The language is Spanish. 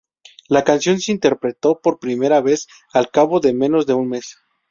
La canción se interpretó por primera vez al cabo de menos de un mes.